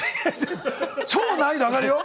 超難易度上がるよ。